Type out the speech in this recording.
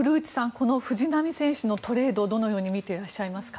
この藤浪選手のトレードをどのように見てらっしゃいますか。